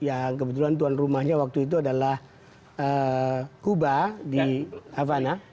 yang kebetulan tuan rumahnya waktu itu adalah kuba di avana